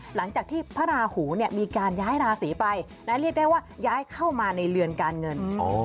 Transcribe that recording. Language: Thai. หลังจากที่พระราหูมีการย้ายราศีไปเรียกได้ว่าย้ายเข้ามาในเรือนการเงิน